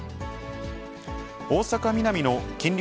大阪・ミナミの金龍